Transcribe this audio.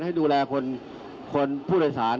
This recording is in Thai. ให้ดูแลคนผู้โดยสาร